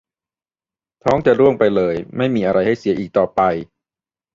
ท้องจะร่วงไปเลย ไม่มีอะไรให้เสียอีกต่อไป